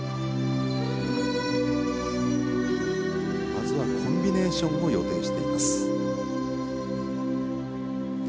まずはコンビネーションを予定しています。